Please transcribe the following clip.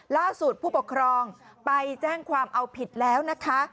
ผู้ปกครองไปแจ้งความเอาผิดแล้วนะคะ